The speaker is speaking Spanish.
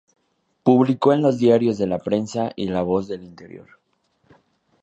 Publicó en los diarios La Prensa y La Voz del Interior.